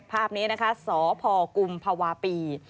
ภาพนี้นะคะสพกภปี